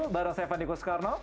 bareng saya fandiko soekarno